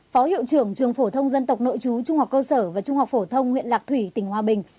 phó hiệu trưởng trường phổ thông dân tộc nội chú trung học cơ sở và trung học phổ thông huyện lạc thủy tỉnh hòa bình